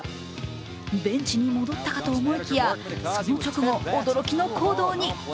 ベンチに戻ったかと思いきやその直後、驚きの行動に。